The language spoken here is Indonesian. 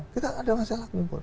kita ada masalah kumpul